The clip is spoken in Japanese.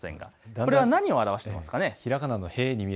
これは何を表していますか。